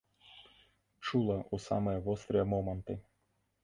Чула ў самыя вострыя моманты.